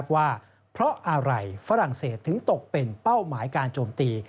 ว่าเพราะอะไรฝรั่งเศสถึงตกเป็นเป้าหมายการโจมตี